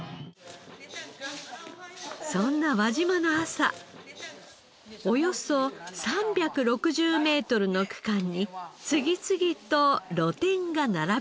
そんな輪島の朝およそ３６０メートルの区間に次々と露店が並び始めました。